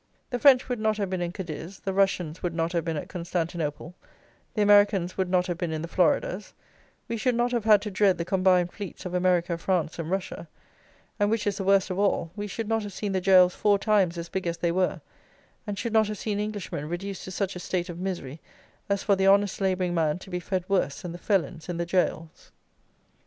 The French would not have been in Cadiz; the Russians would not have been at Constantinople; the Americans would not have been in the Floridas; we should not have had to dread the combined fleets of America, France, and Russia; and, which is the worst of all, we should not have seen the jails four times as big as they were; and should not have seen Englishmen reduced to such a state of misery as for the honest labouring man to be fed worse than the felons in the jails.